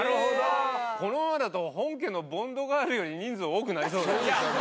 このままだと本家のボンドガールより人数多くなりそうだよね。